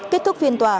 kết thúc phiên tòa